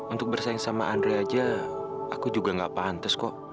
untuk bersaing sama andre aja aku juga gak pantes kok